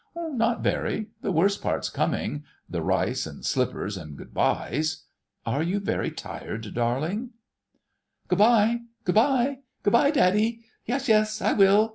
"Not very. The worst part's coming—the rice and slippers and good byes. Are you very tired, darling...?" "Good bye—Good bye! Good bye, Daddie.... Yes, yes.... I will....